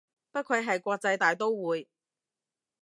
不愧係國際大刀會